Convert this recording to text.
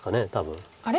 あれ？